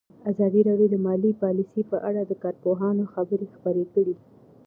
ازادي راډیو د مالي پالیسي په اړه د کارپوهانو خبرې خپرې کړي.